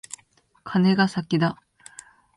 カネが先だ。